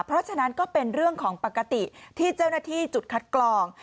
เพราะฉะนั้นก็เป็นเรื่องของปกติที่เจ้าหน้าที่จุดคัดกรอง